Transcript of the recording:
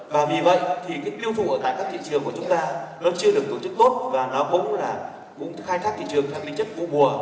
và vì vậy cái tiêu thụ ở các thị trường của chúng ta nó chưa được tổ chức tốt và nó cũng là khai thác thị trường tham lý chất vụ mùa